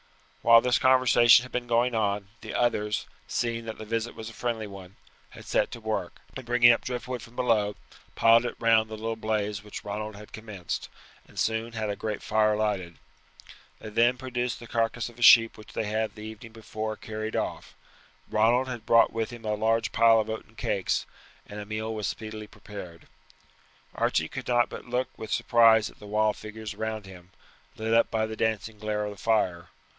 While this conversation had been going on, the others, seeing that the visit was a friendly one, had set to work, and bringing up driftwood from below, piled it round the little blaze which Ronald had commenced, and soon had a great fire lighted. They then produced the carcass of a sheep which they had the evening before carried off. Ronald had brought with him a large pile of oaten cakes, and a meal was speedily prepared. Archie could not but look with surprise at the wild figures around him, lit up by the dancing glare of the fire.